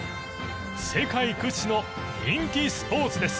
世界屈指の人気スポーツです。